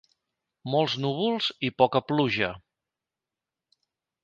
Molts núvols i poca pluja.